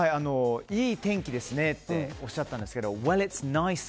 いい天気ですねっておっしゃったんですけど。